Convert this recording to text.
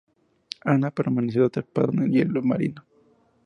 Anna" permaneció atrapado en el hielo marino.